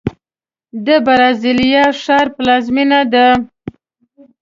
د برازیلیا ښار پلازمینه ده.